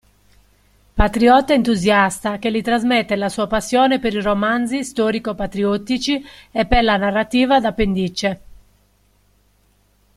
Patriota entusiasta che gli trasmette la sua passione per i romanzi storico-patriottici e per la narrativa d'appendice.